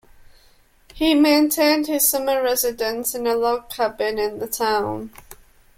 He maintained his summer residence in a log cabin in the town.